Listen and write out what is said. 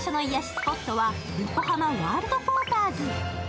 スポットは横浜ワールドポーターズ。